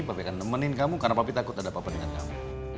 papa akan nemenin kamu karena papa takut ada apa apa dengan kamu